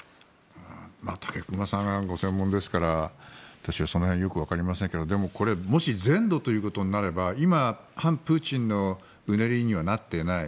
武隈さんがご専門ですから私はその辺よくわかりませんけどこれもし全土ということになれば今、反プーチンのうねりにはなっていない。